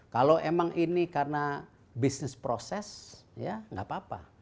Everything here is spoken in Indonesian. kalau emang ini karena bisnis proses ya nggak apa apa